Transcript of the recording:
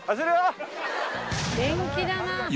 「元気だな」